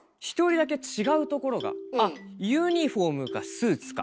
あっユニフォームかスーツか。